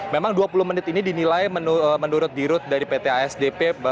memang dua puluh menit ini dinilai menurut dirut dari pt asdp